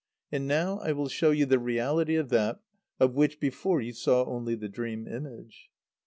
And now I will show you the reality of that of which before you saw only the dream image."